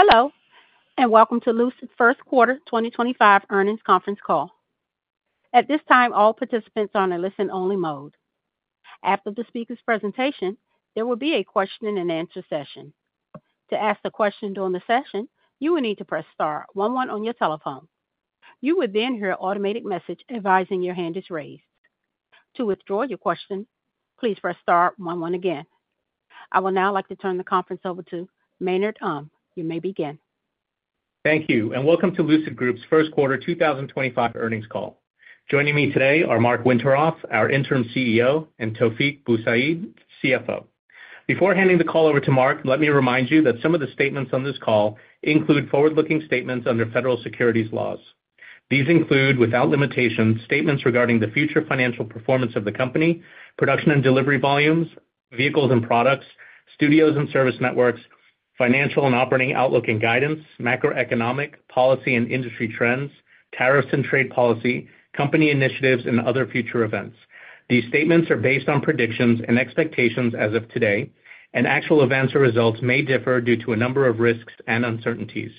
Hello, and welcome to Lucid First Quarter 2025 Earnings Conference Call. At this time, all participants are on a listen-only mode. After the speaker's presentation, there will be a Question-and-answer session. To ask a question during the session, you will need to press star one one on your telephone. You will then hear an automated message advising your hand is raised. To withdraw your question, please press star one one again. I would now like to turn the conference over to Maynard Um. You may begin. Thank you, and welcome to Lucid Group's First Quarter 2025 Earnings Call. Joining me today are Marc Winterhoff, our Interim CEO, and Taoufiq Boussaid, CFO. Before handing the call over to Marc, let me remind you that some of the statements on this call include forward-looking statements under federal securities laws. These include, without limitations, statements regarding the future financial performance of the company, production and delivery volumes, vehicles and products, studios and service networks, financial and operating outlook and guidance, macroeconomic policy and industry trends, tariffs and trade policy, company initiatives, and other future events. These statements are based on predictions and expectations as of today, and actual events or results may differ due to a number of risks and uncertainties.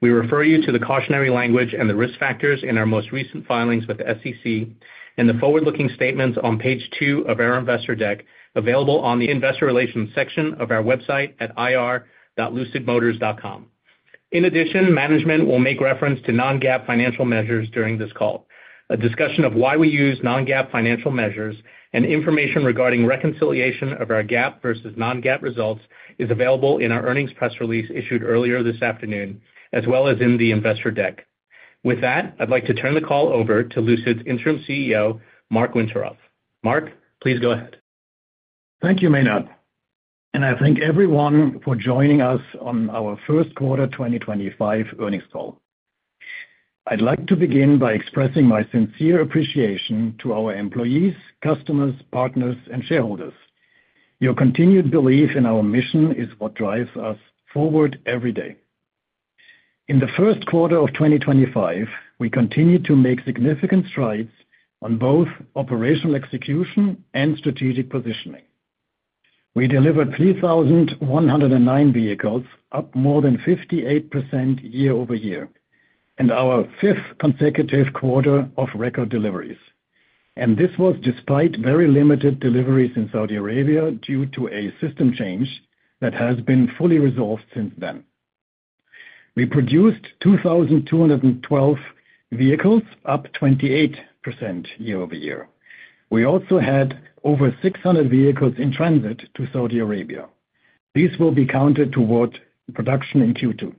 We refer you to the cautionary language and the risk factors in our most recent filings with the SEC and the forward-looking statements on page two of our investor deck available on the investor relations section of our website at ir.lucidmotors.com. In addition, management will make reference to non-GAAP financial measures during this call. A discussion of why we use non-GAAP financial measures and information regarding reconciliation of our GAAP versus non-GAAP results is available in our earnings press release issued earlier this afternoon, as well as in the investor deck. With that, I'd like to turn the call over to Lucid's Interim CEO, Marc Winterhoff. Marc, please go ahead. Thank you, Maynard. I thank everyone for joining us on our First Quarter 2025 Earnings Call. I'd like to begin by expressing my sincere appreciation to our employees, customers, partners, and shareholders. Your continued belief in our mission is what drives us forward every day. In the first quarter of 2025, we continue to make significant strides on both operational execution and strategic positioning. We delivered 3,109 vehicles, up more than 58% year-over-year, and our fifth consecutive quarter of record deliveries. This was despite very limited deliveries in Saudi Arabia due to a system change that has been fully resolved since then. We produced 2,212 vehicles, up 28% year- ver-year. We also had over 600 vehicles in transit to Saudi Arabia. These will be counted toward production in Q2.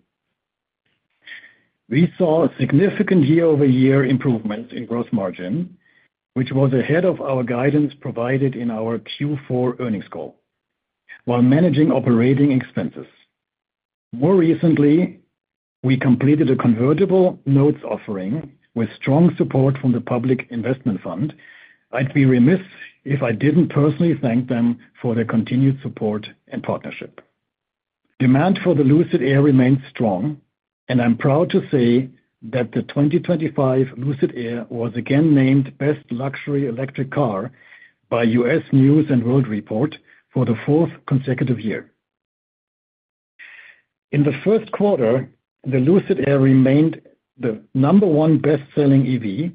We saw significant year-over-year improvements in gross margin, which was ahead of our guidance provided in our Q4 earnings call, while managing operating expenses. More recently, we completed a convertible notes offering with strong support from the Public Investment Fund. I'd be remiss if I didn't personally thank them for their continued support and partnership. Demand for the Lucid Air remains strong, and I'm proud to say that the 2025 Lucid Air was again named Best Luxury Electric Car by U.S. News and World Report for the fourth consecutive year. In the first quarter, the Lucid Air remained the number one best-selling EV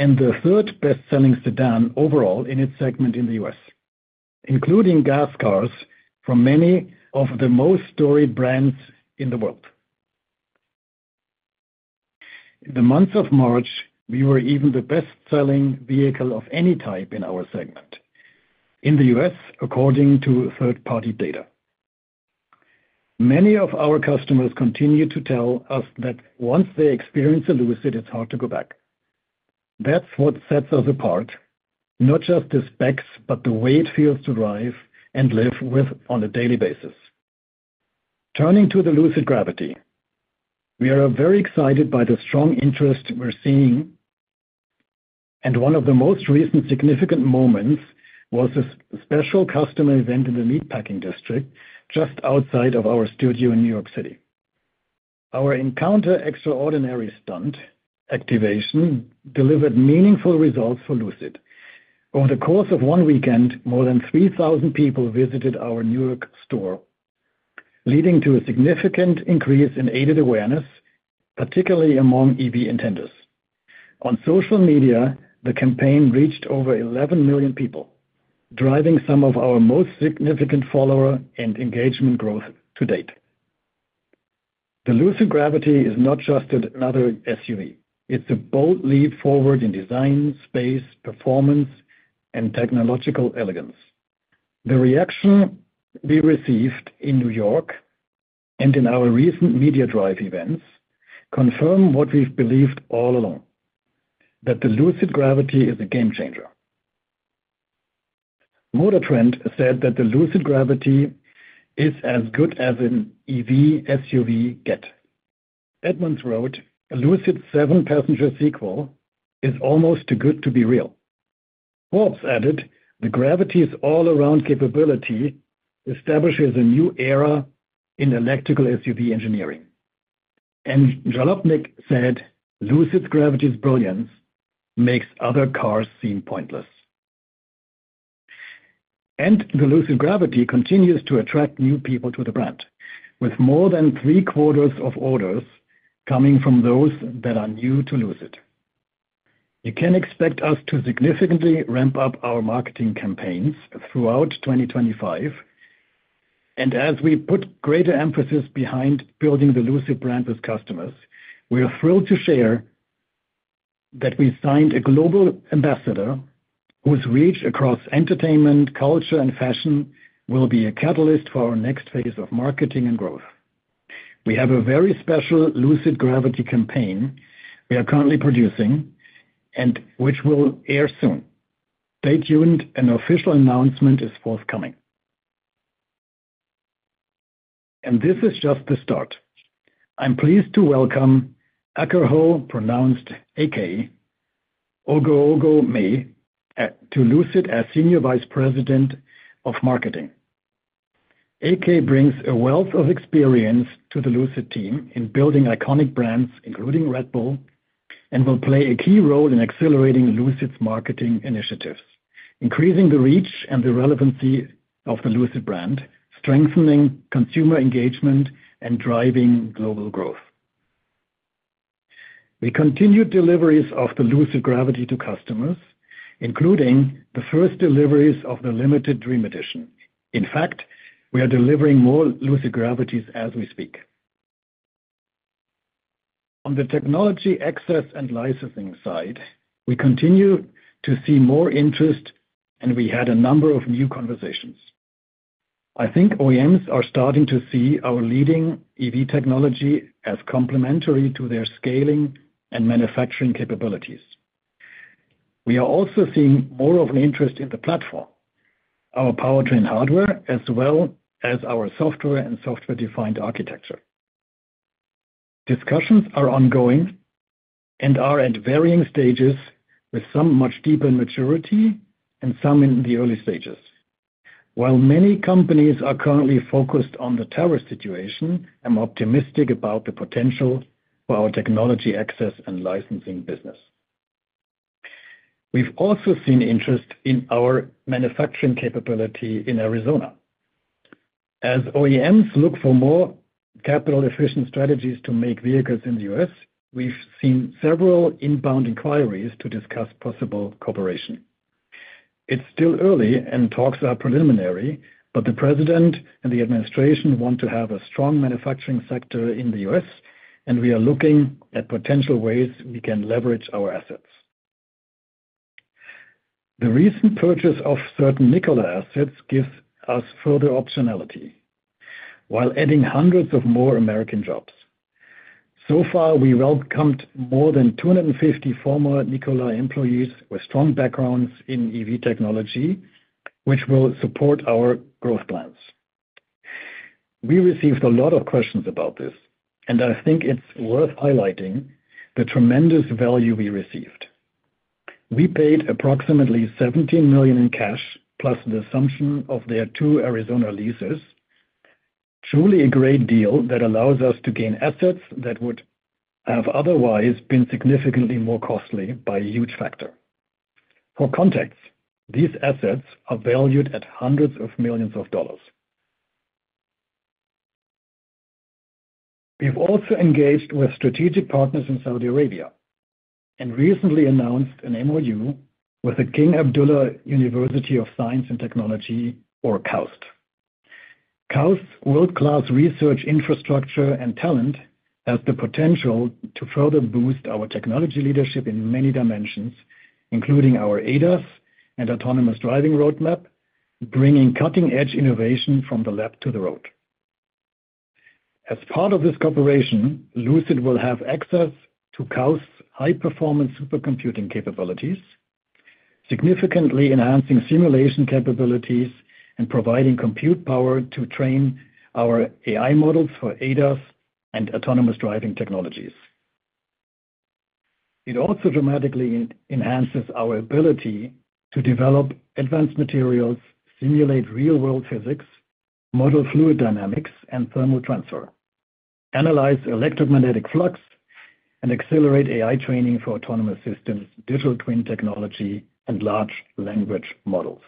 and the third best-selling sedan overall in its segment in the U.S., including gas cars from many of the most storied brands in the world. In the months of March, we were even the best-selling vehicle of any type in our segment in the U.S., according to third-party data. Many of our customers continue to tell us that once they experience a Lucid, it's hard to go back. That's what sets us apart, not just the specs, but the way it feels to drive and live with on a daily basis. Turning to the Lucid Gravity, we are very excited by the strong interest we're seeing, and one of the most recent significant moments was a special customer event in the Meatpacking District just outside of our studio in New York City. Our Encounter Extraordinary Stunt activation delivered meaningful results for Lucid. Over the course of one weekend, more than 3,000 people visited our New York store, leading to a significant increase in aided awareness, particularly among EV intenders. On social media, the campaign reached over 11 million people, driving some of our most significant follower and engagement growth to date. The Lucid Gravity is not just another SUV. It's a bold leap forward in design, space, performance, and technological elegance. The reaction we received in New York and in our recent media drive events confirm what we've believed all along: that the Lucid Gravity is a game changer. Motor Trend said that the Lucid Gravity is as good as an EV SUV get. Edmunds wrote, "A Lucid seven-passenger sequel is almost too good to be real." Forbes added, "The Gravity's all-around capability establishes a new era in electrical SUV engineering." Jalopnik said, "Lucid's Gravity's brilliance makes other cars seem pointless." The Lucid Gravity continues to attract new people to the brand, with more than three-quarters of orders coming from those that are new to Lucid. You can expect us to significantly ramp up our marketing campaigns throughout 2025. As we put greater emphasis behind building the Lucid brand with customers, we are thrilled to share that we signed a global ambassador whose reach across entertainment, culture, and fashion will be a catalyst for our next phase of marketing and growth. We have a very special Lucid Gravity campaign we are currently producing and which will air soon. Stay tuned. An official announcement is forthcoming. This is just the start. I'm pleased to welcome Akerho pronounced "AK" Oghoghomeh to Lucid as Senior Vice President of Marketing. AK brings a wealth of experience to the Lucid team in building iconic brands, including Red Bull, and will play a key role in accelerating Lucid's marketing initiatives, increasing the reach and the relevancy of the Lucid brand, strengthening consumer engagement, and driving global growth. We continue deliveries of the Lucid Gravity to customers, including the first deliveries of the limited Dream Edition. In fact, we are delivering more Lucid Gravities as we speak. On the technology access and licensing side, we continue to see more interest, and we had a number of new conversations. I think OEMs are starting to see our leading EV technology as complementary to their scaling and manufacturing capabilities. We are also seeing more of an interest in the platform, our powertrain hardware, as well as our software and software-defined architecture. Discussions are ongoing and are at varying stages, with some much deeper in maturity and some in the early stages. While many companies are currently focused on the tariff situation, I'm optimistic about the potential for our technology access and licensing business. We've also seen interest in our manufacturing capability in Arizona. As OEMs look for more capital-efficient strategies to make vehicles in the U.S., we've seen several inbound inquiries to discuss possible cooperation. It's still early, and talks are preliminary, but the President and the administration want to have a strong manufacturing sector in the U.S., and we are looking at potential ways we can leverage our assets. The recent purchase of certain Nikola assets gives us further optionality while adding hundreds of more American jobs. So far, we've welcomed more than 250 former Nikola employees with strong backgrounds in EV technology, which will support our growth plans. We received a lot of questions about this, and I think it's worth highlighting the tremendous value we received. We paid approximately $17 million in cash, plus the assumption of their two Arizona leases. Truly a great deal that allows us to gain assets that would have otherwise been significantly more costly by a huge factor. For context, these assets are valued at hundreds of millions of dollars. We've also engaged with strategic partners in Saudi Arabia and recently announced an MoU with the King Abdullah University of Science and Technology, or KAUST. KAUST's world-class research infrastructure and talent has the potential to further boost our technology leadership in many dimensions, including our ADAS and Autonomous Driving Roadmap, bringing cutting-edge innovation from the lab to the road. As part of this cooperation, Lucid will have access to KAUST's high-performance supercomputing capabilities, significantly enhancing simulation capabilities and providing compute power to train our AI models for ADAS and Autonomous Driving technologies. It also dramatically enhances our ability to develop advanced materials, simulate real-world physics, model fluid dynamics and thermal transfer, analyze electromagnetic flux, and accelerate AI training for autonomous systems, digital twin technology, and large language models.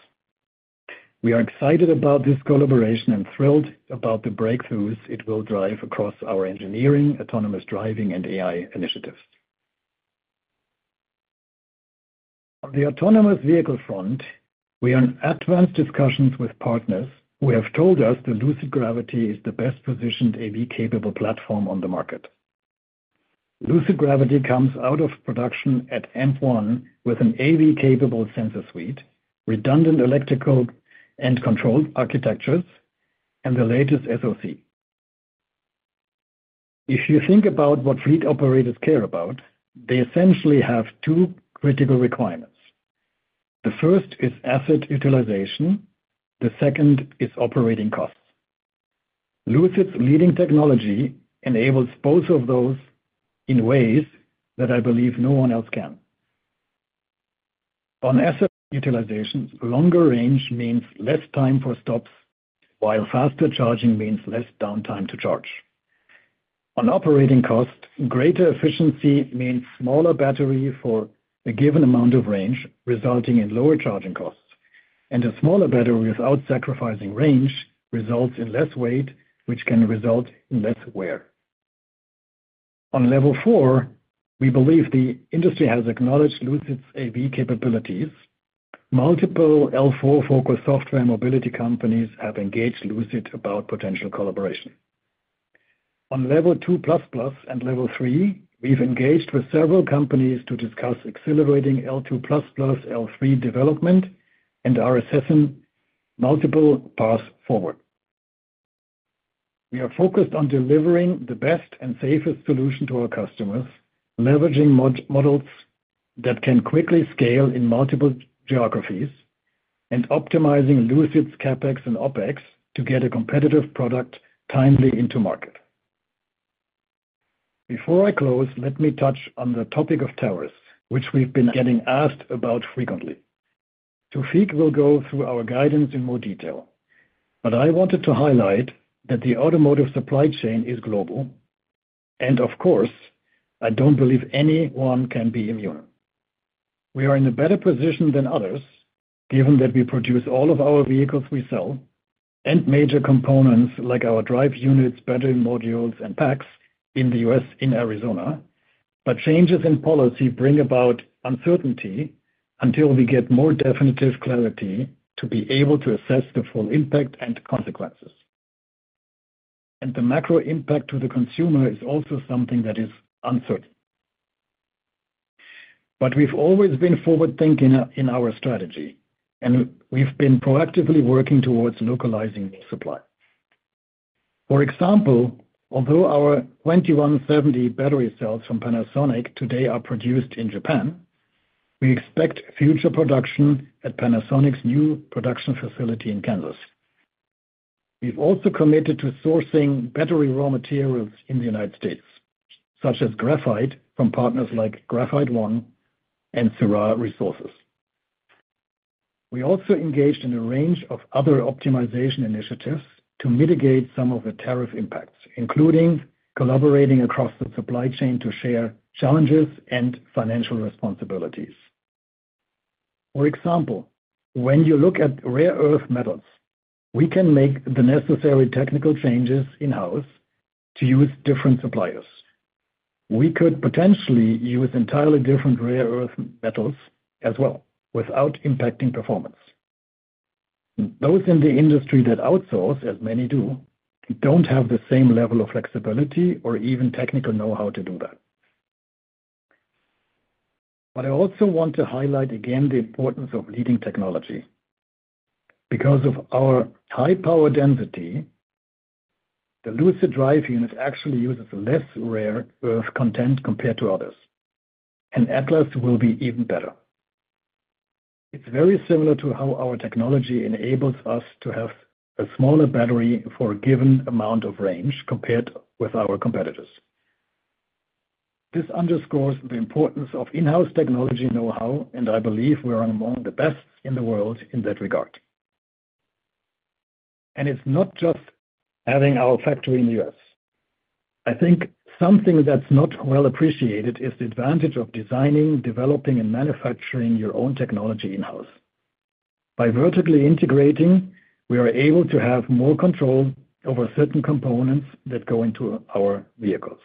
We are excited about this collaboration and thrilled about the breakthroughs it will drive across our engineering, Autonomous Driving, and AI initiatives. On the autonomous vehicle front, we are in advanced discussions with partners who have told us that Lucid Gravity is the best-positioned AV-capable platform on the market. Lucid Gravity comes out of production at M1 with an AV-capable sensor suite, redundant electrical and control architectures, and the latest SOC. If you think about what fleet operators care about, they essentially have two critical requirements. The first is asset utilization. The second is operating costs. Lucid's leading technology enables both of those in ways that I believe no one else can. On asset utilizations, longer range means less time for stops, while faster charging means less downtime to charge. On operating costs, greater efficiency means smaller battery for a given amount of range, resulting in lower charging costs. A smaller battery without sacrificing range results in less weight, which can result in less wear. On level four, we believe the industry has acknowledged Lucid's AV capabilities. Multiple L4-focused software mobility companies have engaged Lucid about potential collaboration. On level two plus plus and level three, we've engaged with several companies to discuss accelerating L2++, L3 development and are assessing multiple paths forward. We are focused on delivering the best and safest solution to our customers, leveraging models that can quickly scale in multiple geographies and optimizing Lucid's CapEx and OpEx to get a competitive product timely into market. Before I close, let me touch on the topic of tariffs, which we've been getting asked about frequently. Taoufiq will go through our guidance in more detail, but I wanted to highlight that the automotive supply chain is global, and of course, I do not believe anyone can be immune. We are in a better position than others, given that we produce all of our vehicles we sell and major components like our drive units, battery modules, and packs in the U.S. in Arizona. Changes in policy bring about uncertainty until we get more definitive clarity to be able to assess the full impact and consequences. The macro impact to the consumer is also something that is uncertain. We have always been forward-thinking in our strategy, and we have been proactively working towards localizing the supply. For example, although our 2170 battery cells from Panasonic today are produced in Japan, we expect future production at Panasonic's new production facility in Kansas. We've also committed to sourcing battery raw materials in the United States, such as graphite from partners like Graphite One and Sera Resources. We also engaged in a range of other optimization initiatives to mitigate some of the tariff impacts, including collaborating across the supply chain to share challenges and financial responsibilities. For example, when you look at rare earth metals, we can make the necessary technical changes in-house to use different suppliers. We could potentially use entirely different rare earth metals as well without impacting performance. Those in the industry that outsource, as many do, do not have the same level of flexibility or even technical know-how to do that. I also want to highlight again the importance of leading technology. Because of our high power density, the Lucid drive unit actually uses less rare earth content compared to others, and Atlas will be even better. It is very similar to how our technology enables us to have a smaller battery for a given amount of range compared with our competitors. This underscores the importance of in-house technology know-how, and I believe we are among the best in the world in that regard. It is not just having our factory in the U.S. I think something that is not well appreciated is the advantage of designing, developing, and manufacturing your own technology in-house. By vertically integrating, we are able to have more control over certain components that go into our vehicles.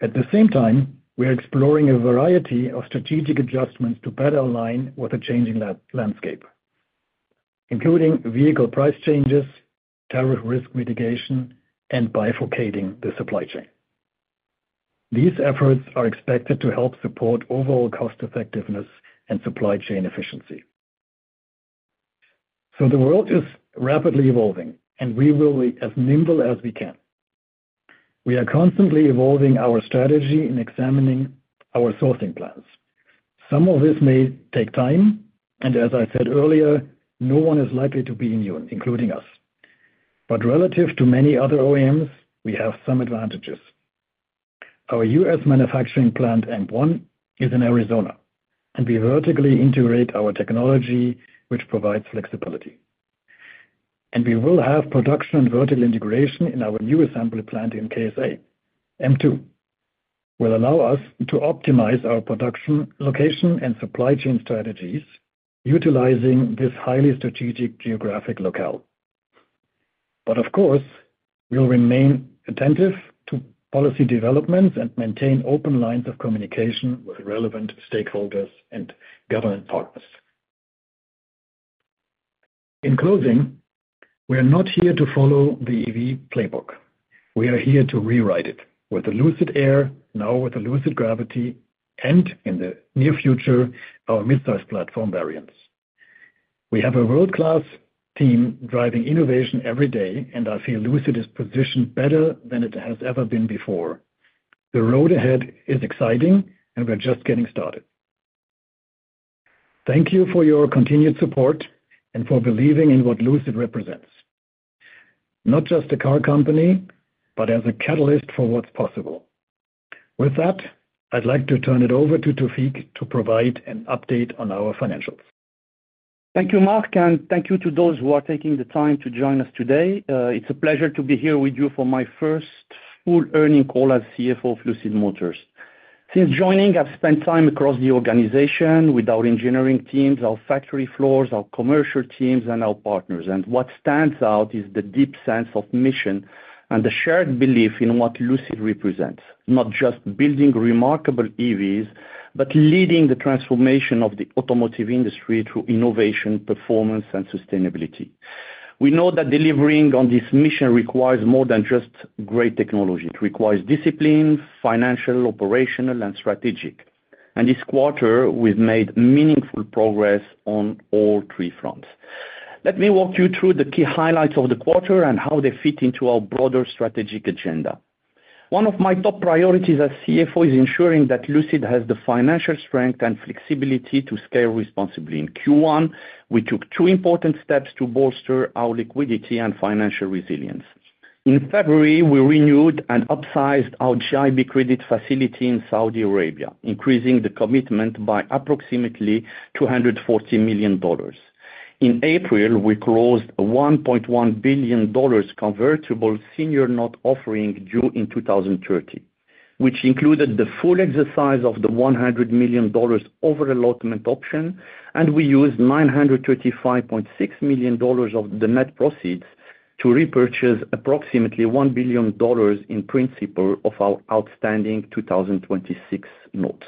At the same time, we are exploring a variety of strategic adjustments to better align with a changing landscape, including vehicle price changes, tariff risk mitigation, and bifurcating the supply chain. These efforts are expected to help support overall cost-effectiveness and supply chain efficiency. The world is rapidly evolving, and we will be as nimble as we can. We are constantly evolving our strategy and examining our sourcing plans. Some of this may take time, and as I said earlier, no one is likely to be immune, including us. Relative to many other OEMs, we have some advantages. Our U.S. manufacturing plant, M1, is in Arizona, and we vertically integrate our technology, which provides flexibility. We will have production and vertical integration in our new assembly plant in KSA. M2 will allow us to optimize our production location and supply chain strategies utilizing this highly strategic geographic locale. Of course, we'll remain attentive to policy developments and maintain open lines of communication with relevant stakeholders and government partners. In closing, we are not here to follow the EV playbook. We are here to rewrite it with the Lucid Air, now with the Lucid Gravity, and in the near future, our mid-size platform variants. We have a world-class team driving innovation every day, and I feel Lucid is positioned better than it has ever been before. The road ahead is exciting, and we're just getting started. Thank you for your continued support and for believing in what Lucid represents. Not just a car company, but as a catalyst for what's possible. With that, I'd like to turn it over to Taoufiq to provide an update on our financials. Thank you, Marc, and thank you to those who are taking the time to join us today. It's a pleasure to be here with you for my first full earnings call as CFO of Lucid Motors. Since joining, I've spent time across the organization with our engineering teams, our factory floors, our commercial teams, and our partners. What stands out is the deep sense of mission and the shared belief in what Lucid represents, not just building remarkable EVs, but leading the transformation of the automotive industry through innovation, performance, and sustainability. We know that delivering on this mission requires more than just great technology. It requires discipline, financial, operational, and strategic. This quarter, we've made meaningful progress on all three fronts. Let me walk you through the key highlights of the quarter and how they fit into our broader strategic agenda. One of my top priorities as CFO is ensuring that Lucid has the financial strength and flexibility to scale responsibly. In Q1, we took two important steps to bolster our liquidity and financial resilience. In February, we renewed and upsized our GIB credit facility in Saudi Arabia, increasing the commitment by approximately $240 million. In April, we closed a $1.1 billion convertible senior note offering due in 2030, which included the full exercise of the $100 million overallotment option, and we used $935.6 million of the net proceeds to repurchase approximately $1 billion in principal of our outstanding 2026 notes.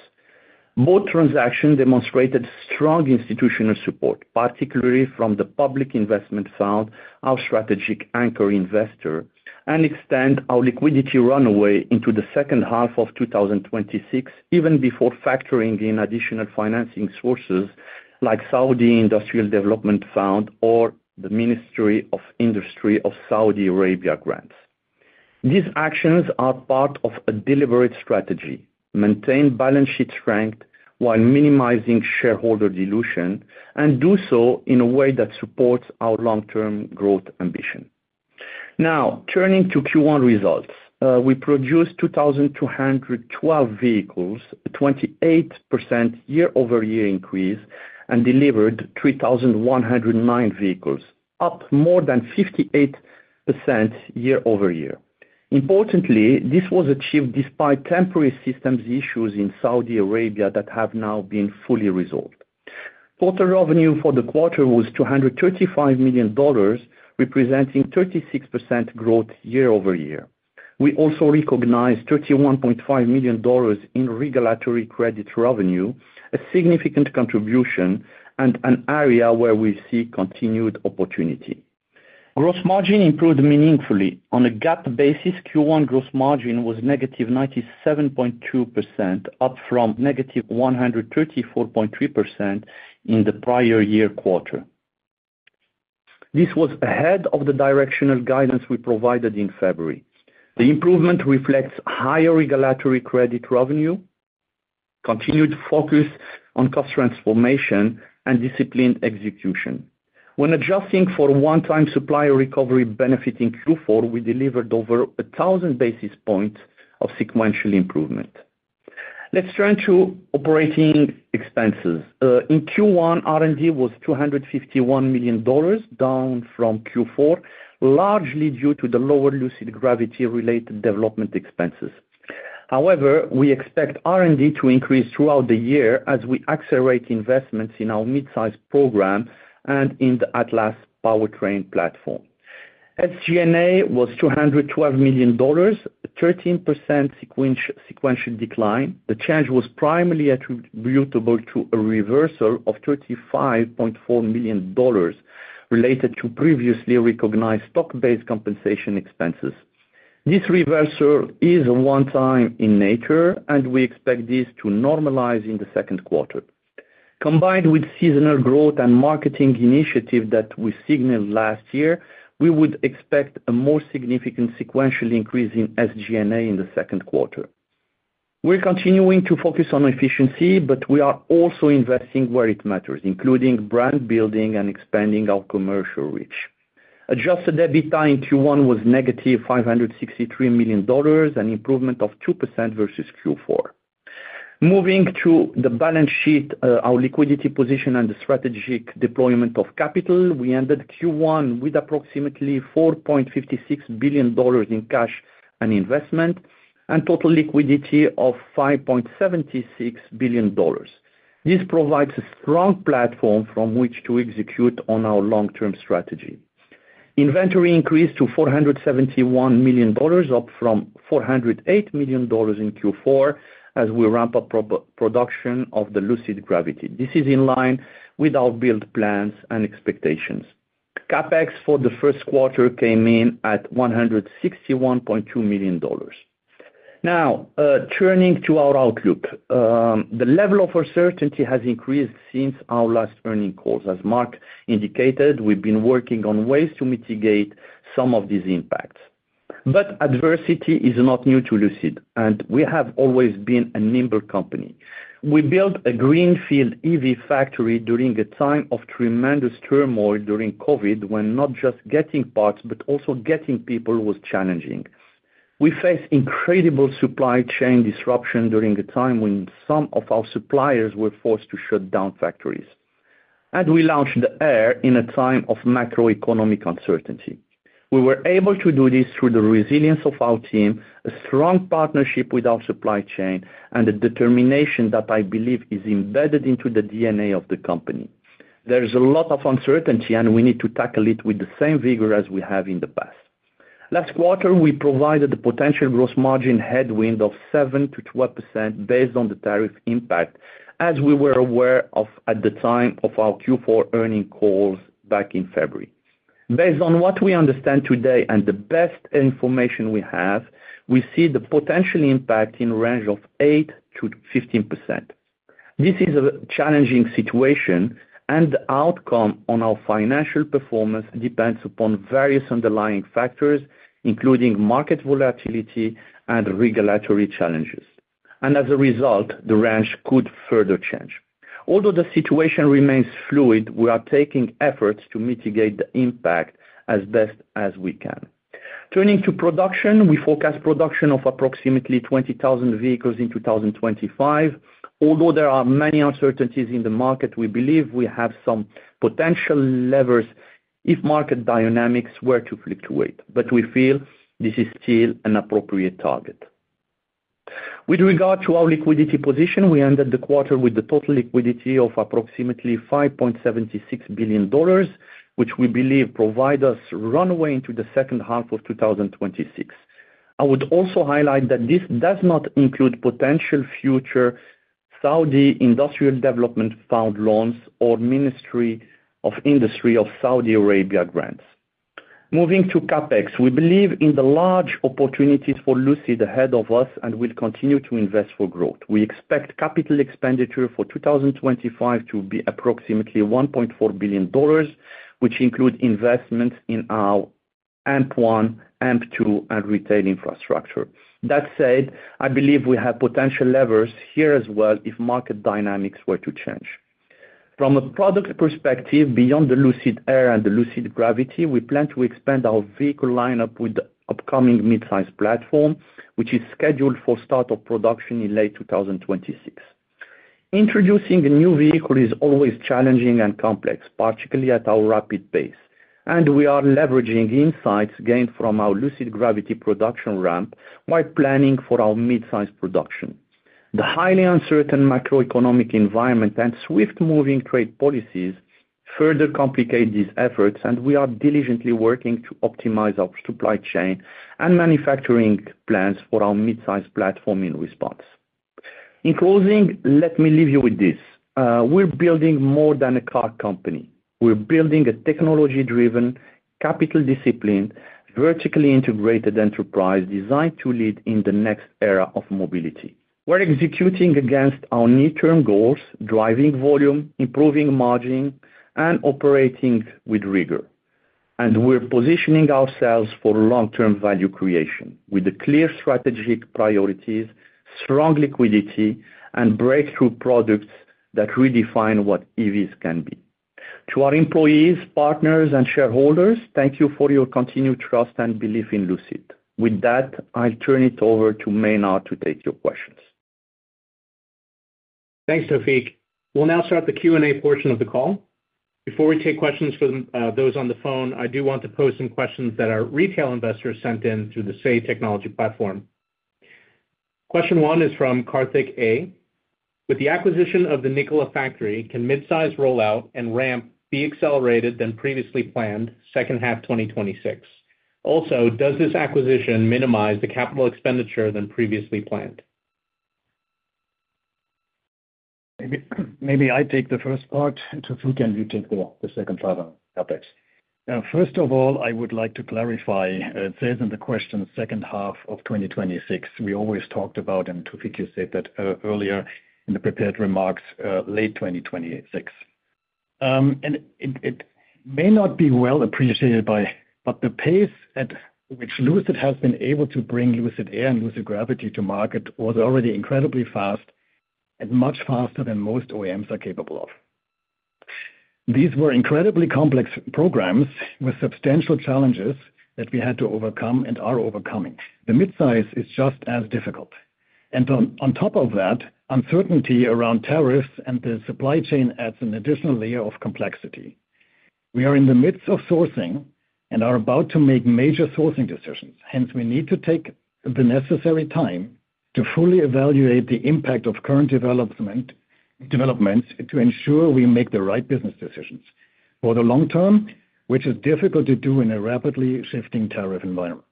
Both transactions demonstrated strong institutional support, particularly from the Public Investment Fund, our strategic anchor investor, and extend our liquidity runway into the second half of 2026, even before factoring in additional financing sources like Saudi Industrial Development Fund or the Ministry of Industry of Saudi Arabia grants. These actions are part of a deliberate strategy: maintain balance sheet strength while minimizing shareholder dilution, and do so in a way that supports our long-term growth ambition. Now, turning to Q1 results, we produced 2,212 vehicles, a 28% year-over-year increase, and delivered 3,109 vehicles, up more than 58% year-over-year. Importantly, this was achieved despite temporary systems issues in Saudi Arabia that have now been fully resolved. Total revenue for the quarter was $235 million, representing 36% growth year-over-year. We also recognized $31.5 million in regulatory credit revenue, a significant contribution and an area where we see continued opportunity. Gross Margin improved meaningfully. On a GAAP basis, Q1 Gross Margin was negative 97.2%, up from negative 134.3% in the prior year quarter. This was ahead of the directional guidance we provided in February. The improvement reflects higher regulatory credit revenue, continued focus on cost transformation, and disciplined execution. When adjusting for one-time supplier recovery benefit in Q4, we delivered over 1,000 basis points of sequential improvement. Let's turn to operating expenses. In Q1, R&D was $251 million, down from Q4, largely due to the lower Lucid Gravity-related development expenses. However, we expect R&D to increase throughout the year as we accelerate investments in our mid-size program and in the Atlas Powertrain platform. SG&A was $212 million, 13% sequential decline. The change was primarily attributable to a reversal of $35.4 million related to previously recognized stock-based compensation expenses. This reversal is one-time in nature, and we expect this to normalize in the second quarter. Combined with seasonal growth and marketing initiatives that we signaled last year, we would expect a more significant sequential increase in SG&A in the second quarter. We're continuing to focus on efficiency, but we are also investing where it matters, including brand building and expanding our commercial reach. Adjusted EBITDA in Q1 was negative $563 million, an improvement of 2% versus Q4. Moving to the balance sheet, our liquidity position and the strategic deployment of capital, we ended Q1 with approximately $4.56 billion in cash and investment and total liquidity of $5.76 billion. This provides a strong platform from which to execute on our long-term strategy. Inventory increased to $471 million, up from $408 million in Q4 as we ramp up production of the Lucid Gravity. This is in line with our build plans and expectations. CapEx for the first quarter came in at $161.2 million. Now, turning to our outlook, the level of uncertainty has increased since our last earnings calls. As Marc indicated, we've been working on ways to mitigate some of these impacts. Adversity is not new to Lucid, and we have always been a nimble company. We built a greenfield EV factory during a time of tremendous turmoil during COVID when not just getting parts, but also getting people was challenging. We faced incredible supply chain disruption during a time when some of our suppliers were forced to shut down factories. We launched the Air in a time of macroeconomic uncertainty. We were able to do this through the resilience of our team, a strong partnership with our supply chain, and a determination that I believe is embedded into the DNA of the company. There's a lot of uncertainty, and we need to tackle it with the same vigor as we have in the past. Last quarter, we provided a potential gross margin headwind of 7%-12% based on the tariff impact, as we were aware of at the time of our Q4 earnings calls back in February. Based on what we understand today and the best information we have, we see the potential impact in a range of 8%-15%. This is a challenging situation, and the outcome on our financial performance depends upon various underlying factors, including market volatility and regulatory challenges. As a result, the range could further change. Although the situation remains fluid, we are taking efforts to mitigate the impact as best as we can. Turning to production, we forecast production of approximately 20,000 vehicles in 2025. Although there are many uncertainties in the market, we believe we have some potential levers if market dynamics were to fluctuate. We feel this is still an appropriate target. With regard to our liquidity position, we ended the quarter with a total liquidity of approximately $5.76 billion, which we believe provides us runway into the second half of 2026. I would also highlight that this does not include potential future Saudi Industrial Development Fund loans or Ministry of Industry of Saudi Arabia grants. Moving to CapEx, we believe in the large opportunities for Lucid ahead of us and will continue to invest for growth. We expect capital expenditure for 2025 to be approximately $1.4 billion, which includes investments in our M1, M2, and retail infrastructure. That said, I believe we have potential levers here as well if market dynamics were to change. From a product perspective, beyond the Lucid Air and the Lucid Gravity, we plan to expand our vehicle lineup with the upcoming mid-size platform, which is scheduled for start of production in late 2026. Introducing a new vehicle is always challenging and complex, particularly at our rapid pace. We are leveraging insights gained from our Lucid Gravity production ramp while planning for our mid-size production. The highly uncertain macroeconomic environment and swift-moving trade policies further complicate these efforts, and we are diligently working to optimize our supply chain and manufacturing plans for our mid-size platform in response. In closing, let me leave you with this: we're building more than a car company. We're building a technology-driven, capital-disciplined, vertically integrated enterprise designed to lead in the next era of mobility. We're executing against our near-term goals, driving volume, improving margin, and operating with rigor. We're positioning ourselves for long-term value creation with clear strategic priorities, strong liquidity, and breakthrough products that redefine what EVs can be. To our employees, partners, and shareholders, thank you for your continued trust and belief in Lucid. With that, I'll turn it over to Maynard to take your questions. Thanks, Taoufiq. We'll now start the Q&A portion of the call. Before we take questions for those on the phone, I do want to pose some questions that our retail investors sent in through the Say Technology platform. Question one is from Karthik A. With the acquisition of the Nikola factory, can mid-size rollout and ramp be accelerated than previously planned second half 2026? Also, does this acquisition minimize the capital expenditure than previously planned? Maybe I take the first part. Taoufiq, can you take the second part on CapEx? First of all, I would like to clarify, it says in the question, second half of 2026. We always talked about, and Taoufiq said that earlier in the prepared remarks, late 2026. It may not be well appreciated by. The pace at which Lucid has been able to bring Lucid Air and Lucid Gravity to market was already incredibly fast and much faster than most OEMs are capable of. These were incredibly complex programs with substantial challenges that we had to overcome and are overcoming. The mid-size is just as difficult. On top of that, uncertainty around tariffs and the supply chain adds an additional layer of complexity. We are in the midst of sourcing and are about to make major sourcing decisions. Hence, we need to take the necessary time to fully evaluate the impact of current developments to ensure we make the right business decisions for the long term, which is difficult to do in a rapidly shifting tariff environment.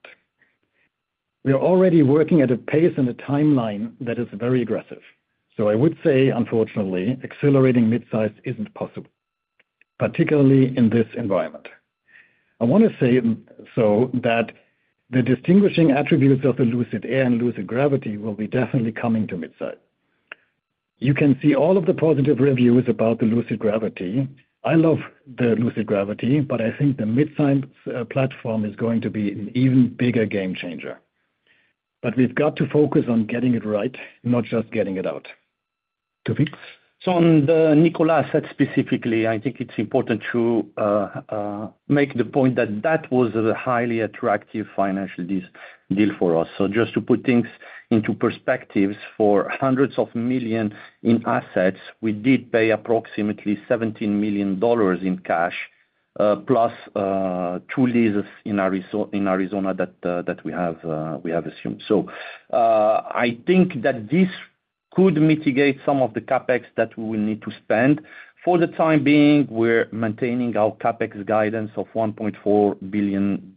We are already working at a pace and a timeline that is very aggressive. I would say, unfortunately, accelerating mid-size isn't possible, particularly in this environment. I want to say so that the distinguishing attributes of the Lucid Air and Lucid Gravity will be definitely coming to mid-size. You can see all of the positive reviews about the Lucid Gravity. I love the Lucid Gravity, but I think the mid-size platform is going to be an even bigger game changer. We have to focus on getting it right, not just getting it out. Taoufiq? On the Nikola asset specifically, I think it is important to make the point that that was a highly attractive financial deal for us. Just to put things into perspective, for hundreds of million in assets, we did pay approximately $17 million in cash, plus two leases in Arizona that we have assumed. I think that this could mitigate some of the CapEx that we will need to spend. For the time being, we are maintaining our CapEx guidance of $1.4 billion,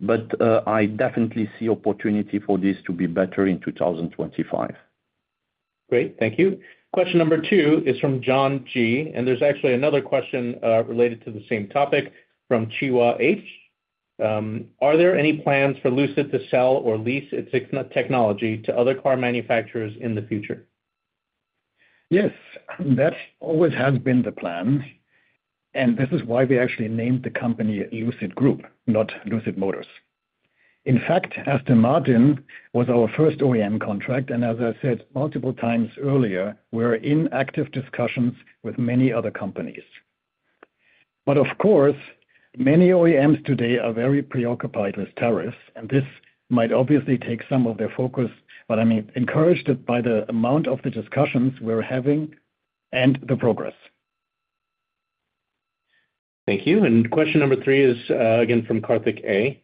but I definitely see opportunity for this to be better in 2025. Great. Thank you. Question number two is from John G., and there's actually another question related to the same topic from Chiwa H. Are there any plans for Lucid to sell or lease its technology to other car manufacturers in the future? Yes. That always has been the plan. This is why we actually named the company Lucid Group, not Lucid Motors. In fact, Aston Martin was our first OEM contract, and as I said multiple times earlier, we're in active discussions with many other companies. Of course, many OEMs today are very preoccupied with tariffs, and this might obviously take some of their focus, but I'm encouraged by the amount of the discussions we're having and the progress. Thank you. Question number three is again from Karthik A.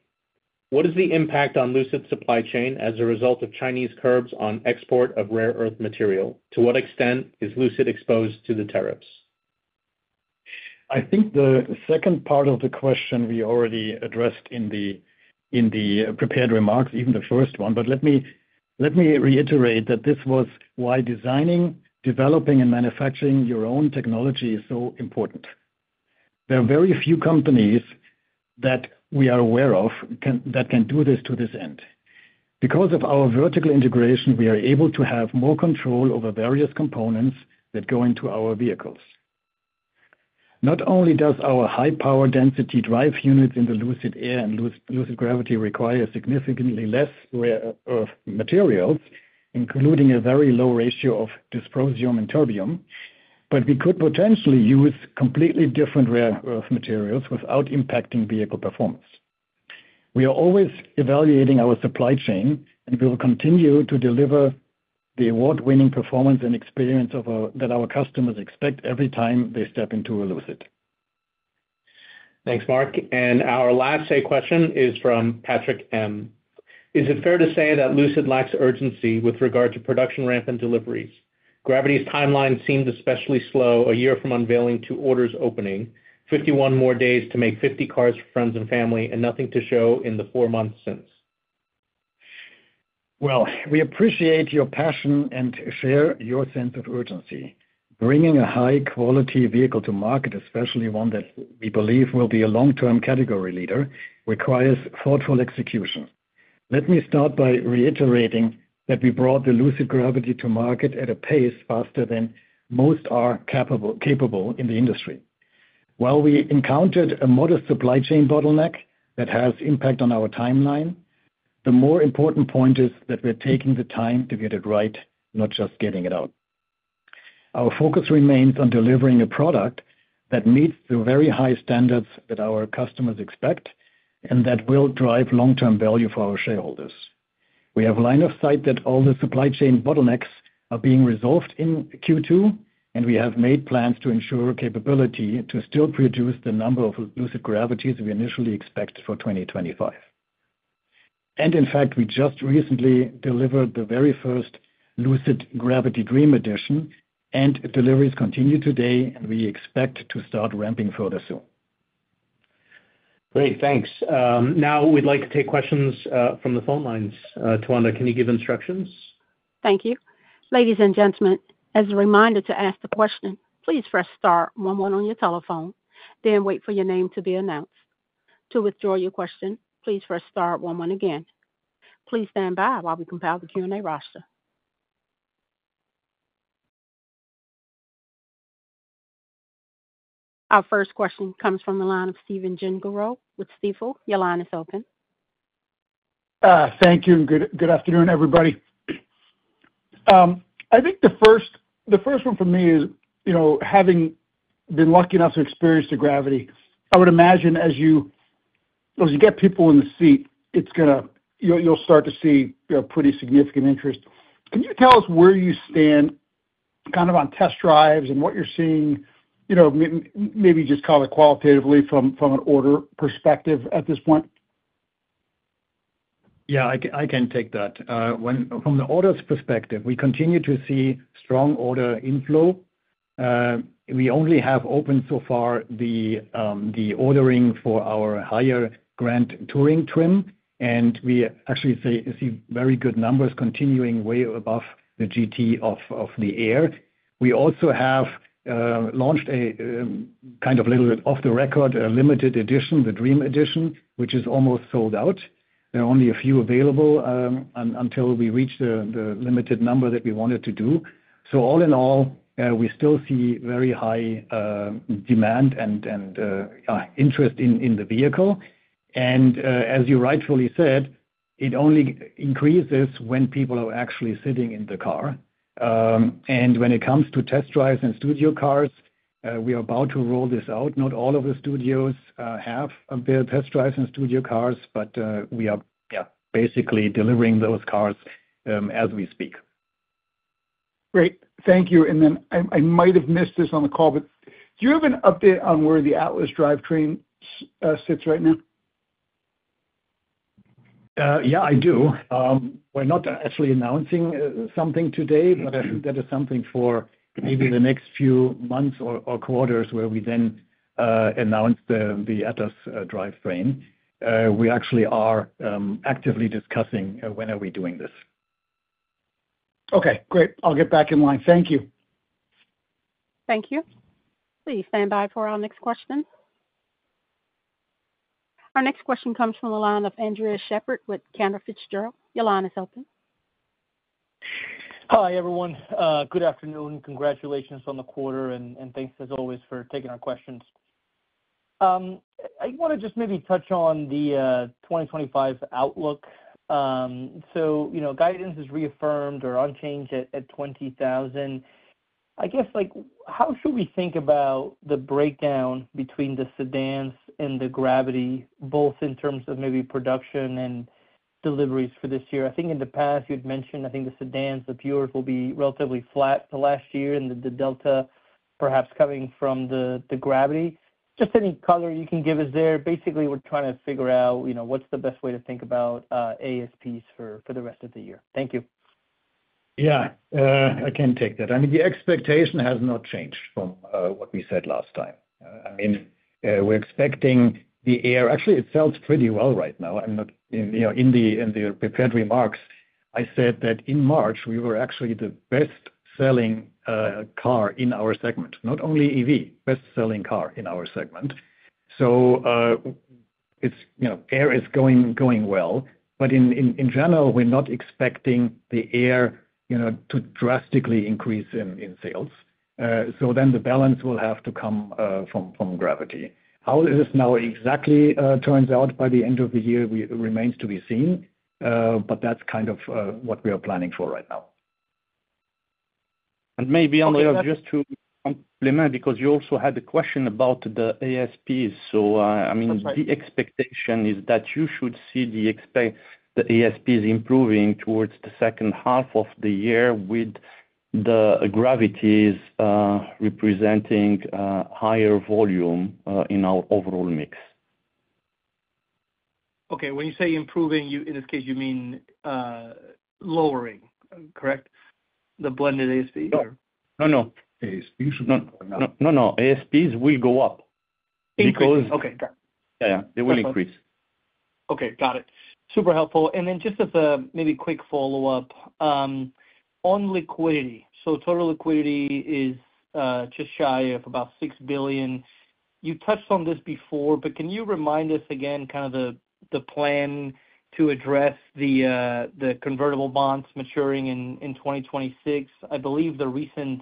What is the impact on Lucid's supply chain as a result of Chinese curbs on export of rare earth material? To what extent is Lucid exposed to the tariffs? I think the second part of the question we already addressed in the prepared remarks, even the first one, but let me reiterate that this was why designing, developing, and manufacturing your own technology is so important. There are very few companies that we are aware of that can do this to this end. Because of our vertical integration, we are able to have more control over various components that go into our vehicles. Not only does our high-power density drive units in the Lucid Air and Lucid Gravity require significantly less rare earth materials, including a very low ratio of dysprosium and terbium, but we could potentially use completely different rare earth materials without impacting vehicle performance. We are always evaluating our supply chain, and we will continue to deliver the award-winning performance and experience that our customers expect every time they step into a Lucid. Thanks, Marc. Our last question is from Patrick M. Is it fair to say that Lucid lacks urgency with regard to production ramp and deliveries? Gravity's timeline seemed especially slow, a year from unveiling to orders opening, 51 more days to make 50 cars for friends and family, and nothing to show in the four months since. We appreciate your passion and share your sense of urgency. Bringing a high-quality vehicle to market, especially one that we believe will be a long-term category leader, requires thoughtful execution. Let me start by reiterating that we brought the Lucid Gravity to market at a pace faster than most are capable in the industry. While we encountered a modest supply chain bottleneck that has impact on our timeline, the more important point is that we're taking the time to get it right, not just getting it out. Our focus remains on delivering a product that meets the very high standards that our customers expect and that will drive long-term value for our shareholders. We have a line of sight that all the supply chain bottlenecks are being resolved in Q2, and we have made plans to ensure capability to still produce the number of Lucid Gravities we initially expected for 2025. In fact, we just recently delivered the very first Lucid Gravity Dream Edition, and deliveries continue today, and we expect to start ramping further soon. Great. Thanks. Now, we'd like to take questions from the phone lines. Tawanda, can you give instructions? Thank you. Ladies and gentlemen, as a reminder to ask the question, please press star one one on your telephone, then wait for your name to be announced. To withdraw your question, please press star one-one again. Please stand by while we compile the Q&A roster. Our first question comes from the line of Steven Gengaro with Stifel. Your line is open. Thank you. And good afternoon, everybody. I think the first one for me is, having been lucky enough to experience the Gravity, I would imagine as you get people in the seat, you'll start to see a pretty significant interest. Can you tell us where you stand kind of on test drives and what you're seeing, maybe just call it qualitatively, from an order perspective at this point? Yeah, I can take that. From the orders perspective, we continue to see strong order inflow. We only have opened so far the ordering for our higher-Grand Touring trim, and we actually see very good numbers continuing way above the GT of the Air. We also have launched a kind of little bit off the record, a limited edition, the Dream Edition, which is almost sold out. There are only a few available until we reach the limited number that we wanted to do. All in all, we still see very high demand and interest in the vehicle. As you rightfully said, it only increases when people are actually sitting in the car. When it comes to test drives and studio cars, we are about to roll this out. Not all of the studios have test drives and studio cars, but we are basically delivering those cars as we speak. Great. Thank you. I might have missed this on the call, but do you have an update on where the Atlas drivetrain sits right now? Yeah, I do. We're not actually announcing something today, but that is something for maybe the next few months or quarters where we then announce the Atlas Drive Unit. We actually are actively discussing when are we doing this. Okay. Great. I'll get back in line. Thank you. Thank you. Please stand by for our next question. Our next question comes from the line of Andres Sheppard with Cantor Fitzgerald. Your line is open. Hi, everyone. Good afternoon. Congratulations on the quarter, and thanks as always for taking our questions. I want to just maybe touch on the 2025 outlook. Guidance is reaffirmed or unchanged at 20,000. I guess, how should we think about the breakdown between the sedans and the Gravity, both in terms of maybe production and deliveries for this year? I think in the past, you had mentioned, I think, the sedans, the Pures, will be relatively flat the last year, and the Delta, perhaps coming from the Gravity. Just any color you can give us there. Basically, we're trying to figure out what's the best way to think about ASPs for the rest of the year. Thank you. Yeah, I can take that. I mean, the expectation has not changed from what we said last time. I mean, we're expecting the Air, actually, it sells pretty well right now. In the prepared remarks, I said that in March, we were actually the best-selling car in our segment, not only EV, best-selling car in our segment. Air is going well, but in general, we're not expecting the Air to drastically increase in sales. The balance will have to come from Gravity. How this now exactly turns out by the end of the year remains to be seen, but that's kind of what we are planning for right now. Maybe on the other, just to complement, because you also had the question about the ASPs. I mean, the expectation is that you should see the ASPs improving towards the second half of the year with the Gravities representing higher volume in our overall mix. Okay. When you say improving, in this case, you mean lowering, correct? The blended ASP? No, no. ASPs should not. No, no. ASPs will go up because yeah, yeah. They will increase. Okay. Got it. Super helpful. Just as a maybe quick follow-up, on liquidity, so total liquidity is just shy of about $6 billion. You touched on this before, but can you remind us again kind of the plan to address the convertible bonds maturing in 2026? I believe the recent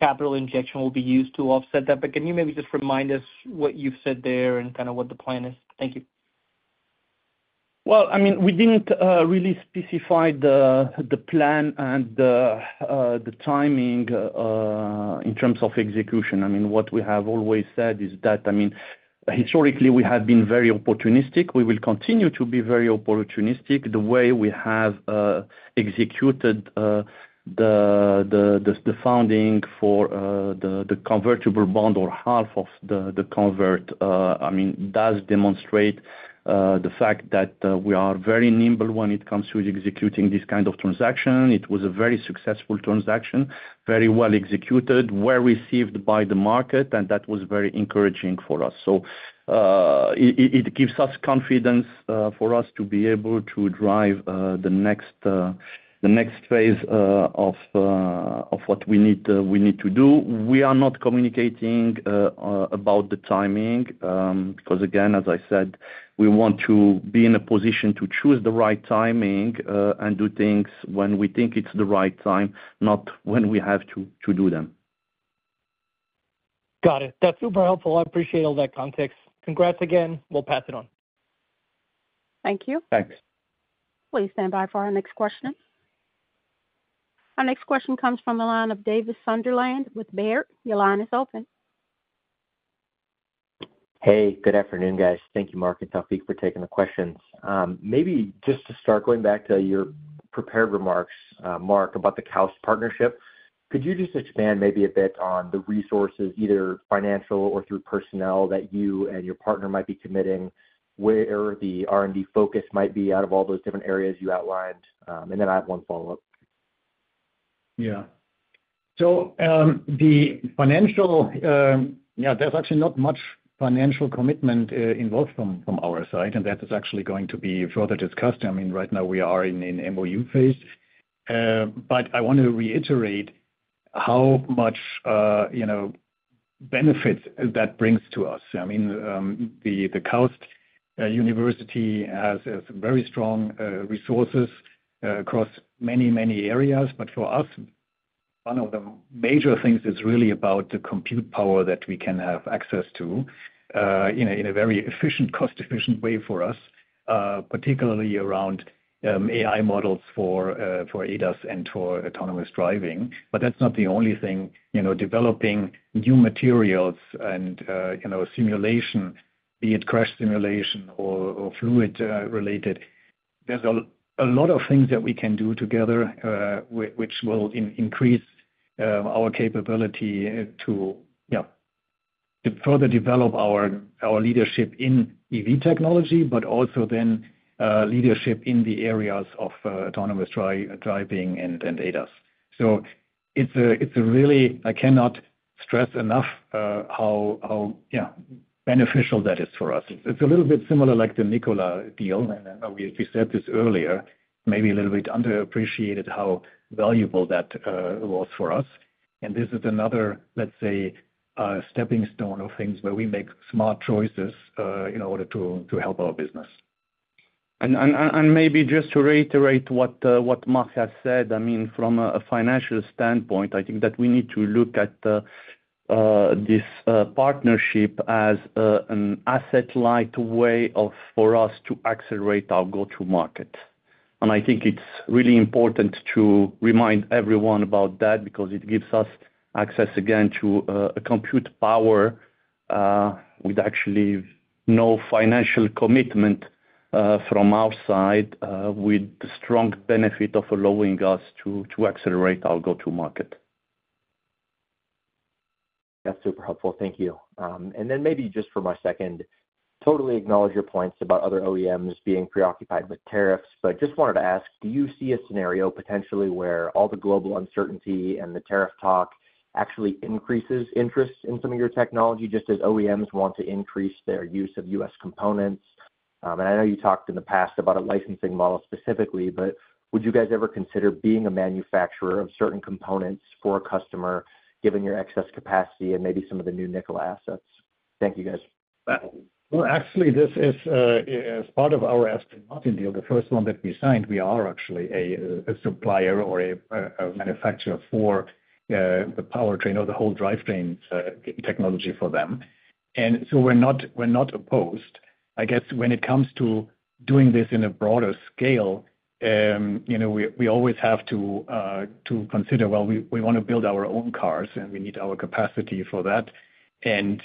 capital injection will be used to offset that, but can you maybe just remind us what you've said there and kind of what the plan is? Thank you. I mean, we did not really specify the plan and the timing in terms of execution. I mean, what we have always said is that, I mean, historically, we have been very opportunistic. We will continue to be very opportunistic. The way we have executed the funding for the convertible bond or half of the convert, I mean, does demonstrate the fact that we are very nimble when it comes to executing this kind of transaction. It was a very successful transaction, very well executed, well received by the market, and that was very encouraging for us. It gives us confidence for us to be able to drive the next phase of what we need to do. We are not communicating about the timing because, again, as I said, we want to be in a position to choose the right timing and do things when we think it's the right time, not when we have to do them. Got it. That's super helpful. I appreciate all that context. Congrats again. We'll pass it on. Thank you. Thanks. Please stand by for our next question. Our next question comes from the line of Davis Sunderland with Baird. Your line is open. Hey, good afternoon, guys. Thank you, Marc and Taoufiq, for taking the questions. Maybe just to start, going back to your prepared remarks, Marc, about the KAUST partnership, could you just expand maybe a bit on the resources, either financial or through personnel, that you and your partner might be committing, where the R&D focus might be out of all those different areas you outlined? And then I have one follow-up. Yeah. So the financial, yeah, there's actually not much financial commitment involved from our side, and that is actually going to be further discussed. I mean, right now, we are in an MoU phase, but I want to reiterate how much benefits that brings to us. I mean, the KAUST University has very strong resources across many, many areas, but for us, one of the major things is really about the compute power that we can have access to in a very efficient, cost-efficient way for us, particularly around AI models for ADAS and for autonomous driving. That is not the only thing. Developing new materials and simulation, be it crash simulation or fluid-related, there is a lot of things that we can do together, which will increase our capability to further develop our leadership in EV technology, but also then leadership in the areas of autonomous driving and ADAS. I cannot stress enough how beneficial that is for us. It is a little bit similar like the Nikola deal. We said this earlier, maybe a little bit underappreciated how valuable that was for us. This is another, let's say, stepping stone of things where we make smart choices in order to help our business. Maybe just to reiterate what Marc has said, I mean, from a financial standpoint, I think that we need to look at this partnership as an asset-light way for us to accelerate our go-to-market. I think it's really important to remind everyone about that because it gives us access, again, to a compute power with actually no financial commitment from our side, with the strong benefit of allowing us to accelerate our go-to-market. That's super helpful. Thank you. Maybe just for my second, totally acknowledge your points about other OEMs being preoccupied with tariffs, but just wanted to ask, do you see a scenario potentially where all the global uncertainty and the tariff talk actually increases interest in some of your technology, just as OEMs want to increase their use of U.S. components? I know you talked in the past about a licensing model specifically, but would you guys ever consider being a manufacturer of certain components for a customer, given your excess capacity and maybe some of the new Nikola assets? Thank you, guys. Actually, as part of our market deal, the first one that we signed, we are actually a supplier or a manufacturer for the powertrain or the whole drivetrain technology for them. We are not opposed. I guess when it comes to doing this in a broader scale, we always have to consider, well, we want to build our own cars, and we need our capacity for that, and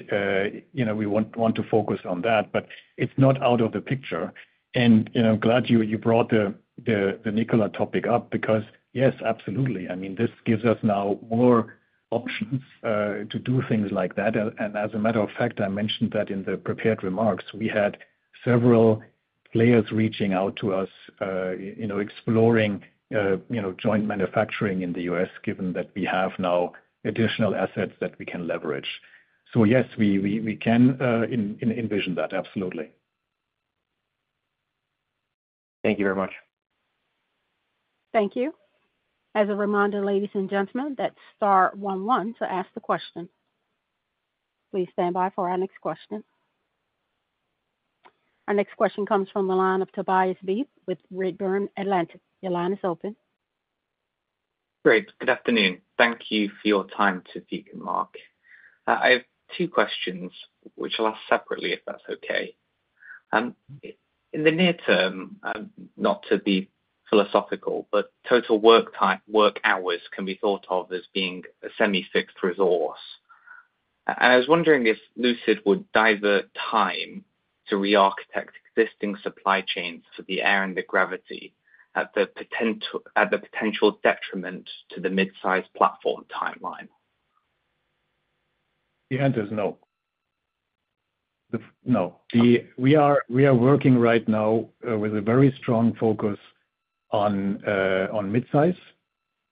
we want to focus on that, but it's not out of the picture. I'm glad you brought the Nikola topic up because, yes, absolutely. I mean, this gives us now more options to do things like that. As a matter of fact, I mentioned that in the prepared remarks, we had several players reaching out to us, exploring joint manufacturing in the U.S., given that we have now additional assets that we can leverage. Yes, we can envision that, absolutely. Thank you very much. Thank you. As a reminder, ladies and gentlemen, that's star one one to ask the question. Please stand by for our next question. Great. Good afternoon. Thank you for your time to speak with Marc. I have two questions, which I'll ask separately if that's okay. In the near term, not to be philosophical, but total work hours can be thought of as being a semi-fixed resource. I was wondering if Lucid would divert time to re-architect existing supply chains for the Air and the Gravity at the potential detriment to the mid-size platform timeline? The answer is no. No. We are working right now with a very strong focus on mid-size,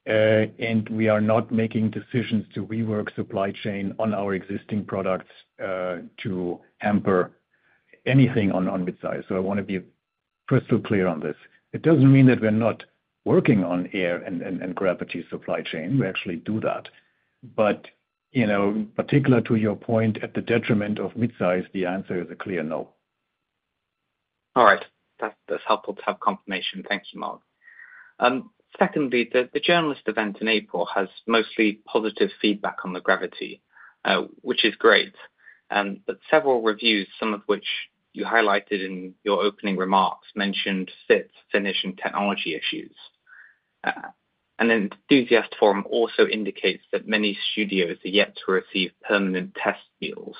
and we are not making decisions to rework supply chain on our existing products to hamper anything on mid-size. I want to be crystal clear on this. It doesn't mean that we're not working on Air and Gravity supply chain. We actually do that. In particular, to your point, at the detriment of mid-size, the answer is a clear no. All right. That is helpful to have confirmation. Thank you, Marc. Secondly, the journalist event in April has mostly positive feedback on the Gravity, which is great. Several reviews, some of which you highlighted in your opening remarks, mentioned fits, finish, and technology issues. The enthusiast forum also indicates that many studios are yet to receive permanent test wheels.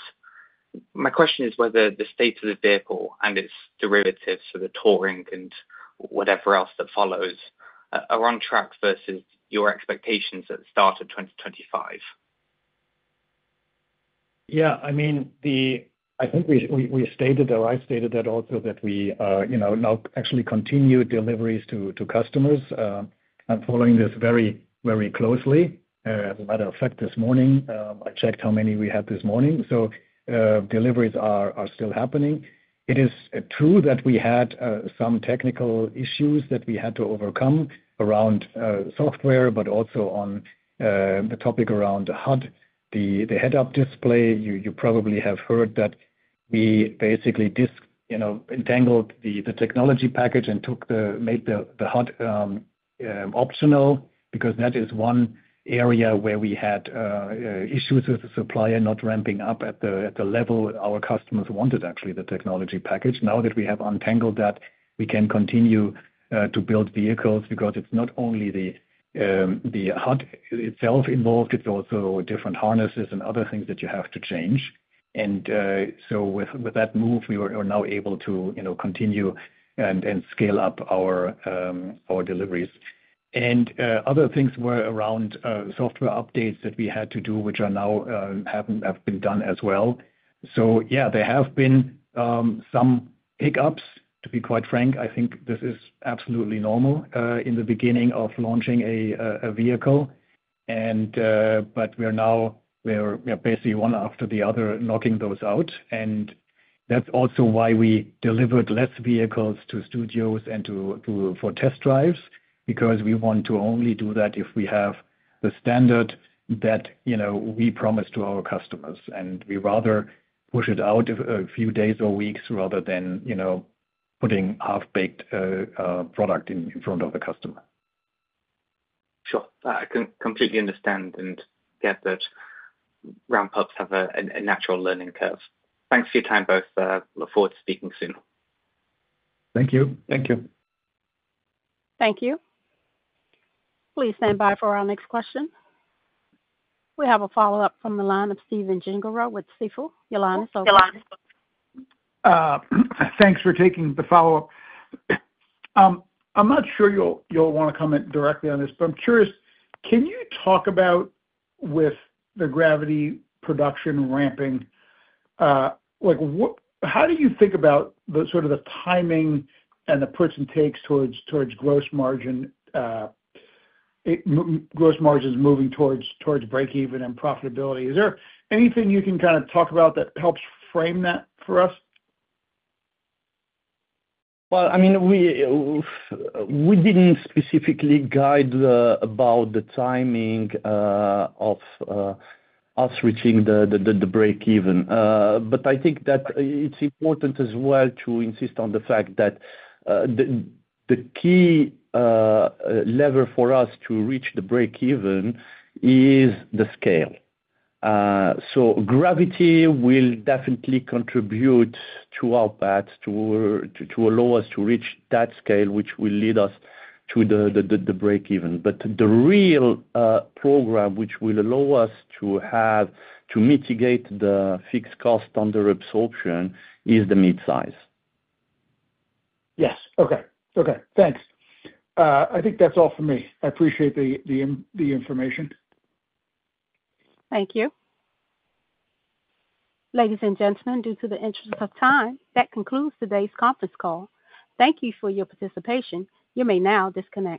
My question is whether the state of the vehicle and its derivatives for the touring and whatever else that follows are on track versus your expectations at the start of 2025. Yeah. I mean, I think we stated or I stated that also that we now actually continue deliveries to customers. I am following this very, very closely. As a matter of fact, this morning, I checked how many we had this morning. Deliveries are still happening. It is true that we had some technical issues that we had to overcome around software, but also on the topic around the HUD, the head-up display. You probably have heard that we basically untangled the technology package and made the HUD optional because that is one area where we had issues with the supplier not ramping up at the level our customers wanted, actually, the technology package. Now that we have untangled that, we can continue to build vehicles because it is not only the HUD itself involved. It is also different harnesses and other things that you have to change. With that move, we were now able to continue and scale up our deliveries. Other things were around software updates that we had to do, which have been done as well. Yeah, there have been some hiccups, to be quite frank. I think this is absolutely normal in the beginning of launching a vehicle. We are now basically one after the other knocking those out. That is also why we delivered fewer vehicles to studios and for test drives because we want to only do that if we have the standard that we promised to our customers. We would rather push it out a few days or weeks rather than putting half-baked product in front of a customer. Sure. I completely understand and get that ramp-ups have a natural learning curve. Thanks for your time both. Look forward to speaking soon. Thank you. Thank you. Thank you. Please stand by for our next question. We have a follow-up from the line of Stephen Gengaro with Stifel. Your line is open. Thanks for taking the follow-up. I'm not sure you'll want to comment directly on this, but I'm curious, can you talk about with the Gravity production ramping, how do you think about sort of the timing and the perks and takes towards gross margins moving towards break-even and profitability? Is there anything you can kind of talk about that helps frame that for us? I mean, we didn't specifically guide about the timing of us reaching the break-even. I think that it's important as well to insist on the fact that the key lever for us to reach the break-even is the scale. Gravity will definitely contribute to our path to allow us to reach that scale, which will lead us to the break-even. But the real program which will allow us to mitigate the fixed cost under absorption is the mid-size. Yes. Okay. Okay. Thanks. I think that's all for me. I appreciate the information. Thank you. Ladies and gentlemen, due to the interest of time, that concludes today's conference call. Thank you for your participation. You may now disconnect.